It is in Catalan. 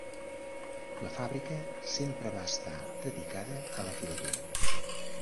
La fàbrica sempre va estar dedicada a la filatura.